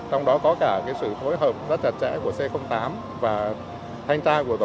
trong đó có cả cái sự hối hợp rất chặt chẽ của c tám và thanh trai của c tám